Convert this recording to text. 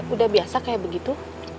udah biasa kayak begitu